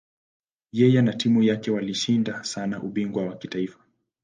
Yeye na timu yake walishinda sana ubingwa wa kitaifa.